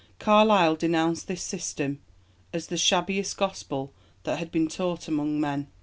Carlyle denounced this system as "the shabbiest gospel that had been taught among men."